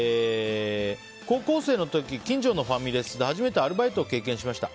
高校生の時、近所のファミレスで初めてアルバイトを経験しました。